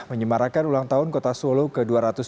menyemarakan ulang tahun kota solo ke dua ratus dua puluh